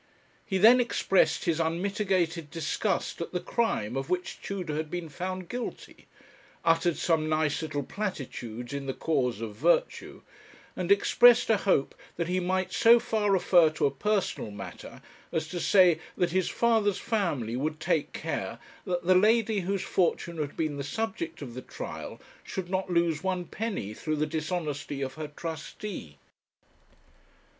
He then expressed his unmitigated disgust at the crime of which Tudor had been found guilty, uttered some nice little platitudes in the cause of virtue, and expressed a hope 'that he might so far refer to a personal matter as to say that his father's family would take care that the lady, whose fortune had been the subject of the trial, should not lose one penny through the dishonesty of her trustee.'